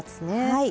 はい。